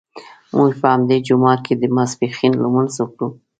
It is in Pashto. موږ په همدې جومات کې د ماسپښین لمونځ وکړ.